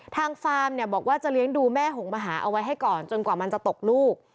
ฟาร์มเนี่ยบอกว่าจะเลี้ยงดูแม่หงมหาเอาไว้ให้ก่อนจนกว่ามันจะตกลูก